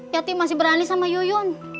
yatim masih berani sama yuyun